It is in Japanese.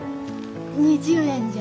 ２０円じゃ。